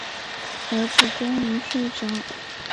儿子终于睡着